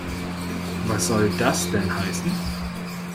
Was soll das denn heißen?